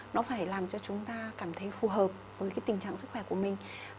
nó phải làm cho chúng ta cảm thấy phù hợp với cái tình trạng sức khỏe của mình